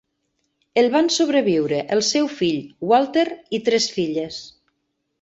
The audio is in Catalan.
El van sobreviure el seu fill, Walter, i tres filles.